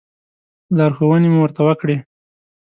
لارښوونې مو ورته وکړې.